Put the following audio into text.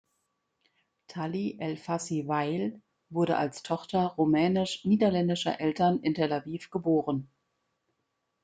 Tally Elfassi-Weijl wurde als Tochter rumänisch-niederländischer Eltern in Tel Aviv geboren.